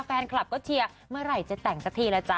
แฟนคลับก็เชียร์เมื่อไหร่จะแต่งสักทีละจ๊